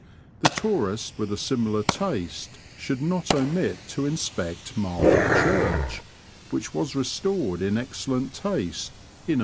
The toarist with a similar taste shoald not omit to inspect Martham Charch, which was restored in excellent taste in 1855.